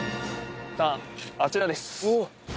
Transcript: さあ、あちらです。